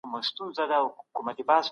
لكه ګلاب چي شمال ووهي ويده سمه زه